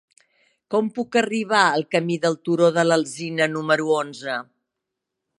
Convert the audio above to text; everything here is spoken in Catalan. Com puc arribar al camí del Turó de l'Alzina número onze?